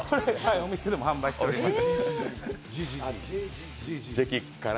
お店でも販売しております。